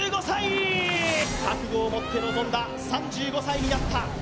覚悟を持って臨んだ、３５歳になった。